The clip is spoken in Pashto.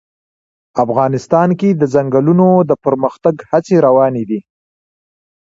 افغانستان کې د ځنګلونه د پرمختګ هڅې روانې دي.